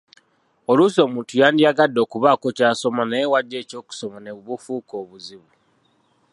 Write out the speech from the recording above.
Oluusi omuntu yandiyagadde okubaako ky'asoma naye w'aggya eky'okusoma ne bufuuka obuzibu.